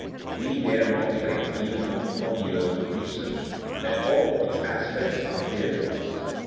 We dare not claim, even af ter forty years of research, that all its aspects are clear to us.